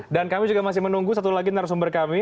dan kami juga masih menunggu satu lagi narasumber kami